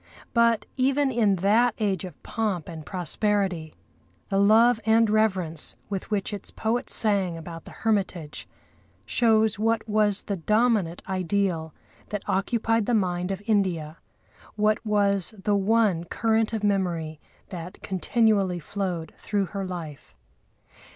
But, even in that age of pomp and prosperity, the love and reverence with which its poet sang about the hermitage shows what was the dominant ideal that occupied the mind of India; what was the one current of memory that continually flowed through her life.